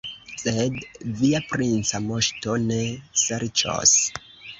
Sed via princa moŝto ne serĉos.